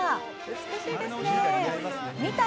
美しいですね。